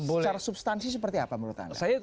secara substansi seperti apa menurut anda